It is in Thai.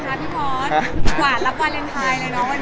ก็น่าสนใจ